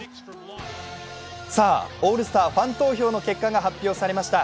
オールスターファン投票の結果が発表されました。